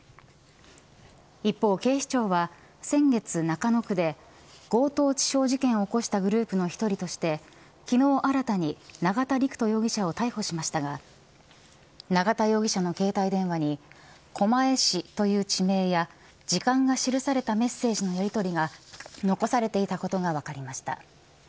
一方、警視庁は先月、中野区で強盗致傷事件を起こしたグループの１人として昨日、新たに永田陸人容疑者を逮捕しましたが永田容疑者の携帯電話に狛江市という地名や時間が記されたメッセージのやりとりが残されていたことが分かりました。